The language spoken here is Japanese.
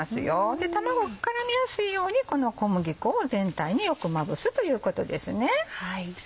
で卵絡みやすいようにこの小麦粉を全体によくまぶすということですね。